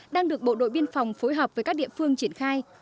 đang được bộ đội biên phòng phối hợp với các địa phương triển khai